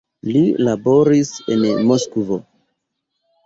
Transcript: Li laboris en Moskvo.